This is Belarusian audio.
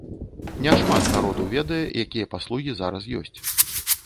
Не шмат народу ведае, якія паслугі зараз ёсць.